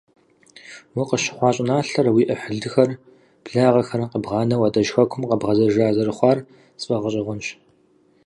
Укъыщыхъуа щӀыналъэр, уи Ӏыхьлыхэр, благъэхэр къэбгъанэу адэжь Хэкум къэбгъэзэжа зэрыхъуар сфӀэгъэщӀэгъуэнщ.